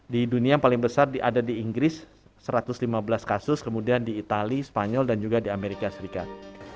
di dunia yang paling besar ada di inggris satu ratus lima belas kasus kemudian di itali spanyol dan juga di amerika serikat